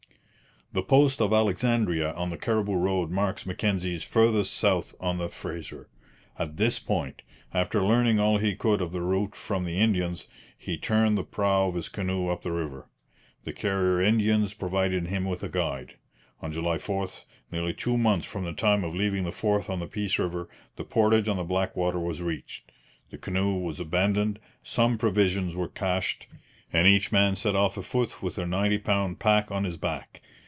The post of Alexandria on the Cariboo Road marks Mackenzie's farthest south on the Fraser. At this point, after learning all he could of the route from the Indians, he turned the prow of his canoe up the river. The Carrier Indians provided him with a guide. On July 4, nearly two months from the time of leaving the fort on the Peace river, the portage on the Blackwater was reached; the canoe was abandoned, some provisions were cached, and each man set off afoot with a ninety pound pack on his back.